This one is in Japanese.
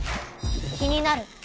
気になる。